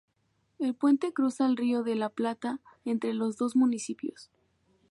El puente cruza el Río de la Plata entre los dos municipios.